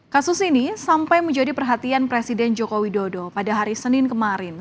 kasus ini sampai menjadi perhatian presiden joko widodo pada hari senin kemarin